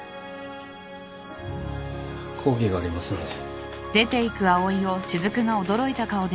講義がありますので。